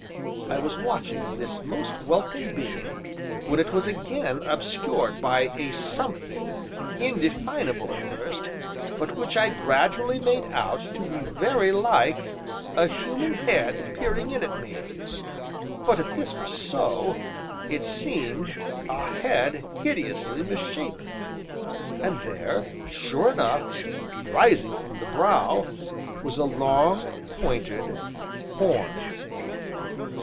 I was watching this most welcome beam when it was again obscured by a something, indefinable at first, but which I gradually made out to be very like a human head peering in at me; but, if this was so, it seemed a head hideously misshapen and there, sure enough, rising from the brow, was a long, pointed horn.